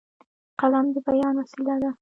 قلم د بیان وسیله ده.